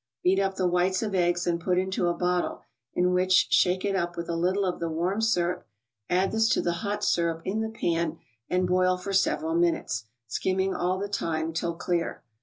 Beat up the whites of eggs and put into a bottle, in which shake it up with a little of the warm syrup; add this to the hot syrup in the pan and boil for several minutes, skimming all the time till clear.